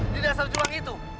di dasar juang itu